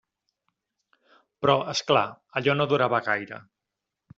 Però, és clar, allò no durava gaire.